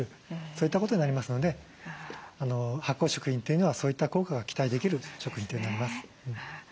そういったことになりますので発酵食品というのはそういった効果が期待できる食品となります。